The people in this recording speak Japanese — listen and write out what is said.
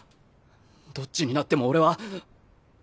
どっちになっても俺は。